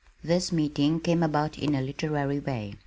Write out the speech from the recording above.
This meeting came about in a literary way.